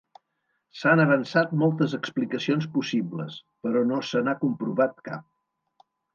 S'han avançat moltes explicacions possibles, però no se n'ha comprovat cap.